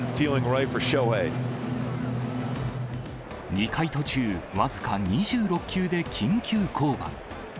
２回途中、僅か２６球で緊急降板。